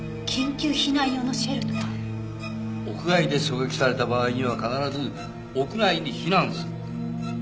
屋外で狙撃された場合には必ず屋内に避難する。